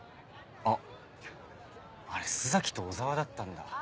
あっあれ洲崎と小沢だったんだ。